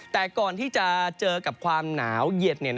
แต่ก่อนที่จะเจอกับความหนาวเย็น